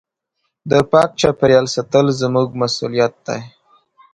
د پاک چاپېریال ساتل زموږ مسؤلیت دی.